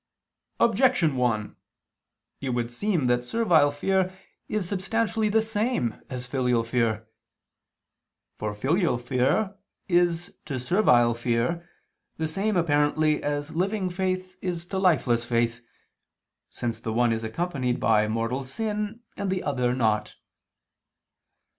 Objection 1: It would seem that servile fear is substantially the same as filial fear. For filial fear is to servile fear the same apparently as living faith is to lifeless faith, since the one is accompanied by mortal sin and the other not.